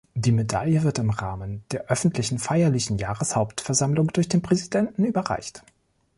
Die Medaille wird im Rahmen der öffentlichen, feierlichen Jahreshauptversammlung durch den Präsidenten überreicht.